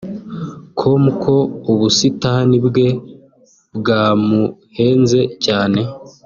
com ko ubusitani bwe bwamuhenze cyane